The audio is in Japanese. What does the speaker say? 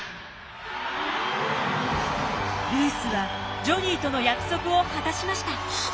ルースはジョニーとの約束を果たしました。